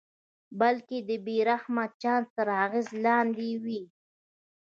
بلکې د بې رحمه چانس تر اغېز لاندې وي.